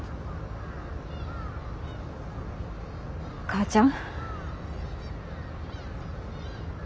母ちゃん。